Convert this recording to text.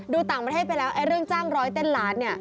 ดูต่างประเทศไปแล้วเรื่องจ้างร้อยเต้นล้านเนี่ย